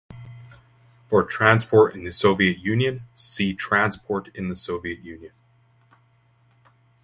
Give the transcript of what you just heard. For transport in the Soviet Union, see Transport in the Soviet Union.